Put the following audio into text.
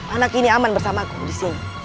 anak ini aman bersamaku di sini